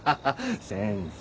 先生